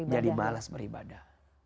jadi malas beribadah